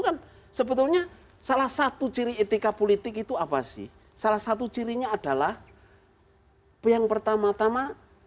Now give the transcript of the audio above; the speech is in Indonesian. kan sebetulnya salah satu ciri etika politik itu apa sih salah satu cirinya adalah yang pertama tama